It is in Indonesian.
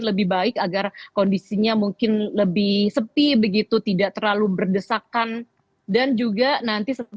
lebih baik agar kondisinya mungkin lebih sepi begitu tidak terlalu berdesakan dan juga nanti